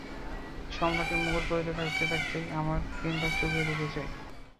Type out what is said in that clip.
সম্রাটের মুকুট পরিহিত থাকতে থাকতেই আমার ঋণটা চুকিয়ে দিতে চাই।